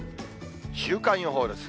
週間予報です。